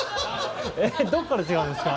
どっから違うんですか？